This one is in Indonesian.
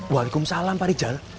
waalaikumsalam pak rijal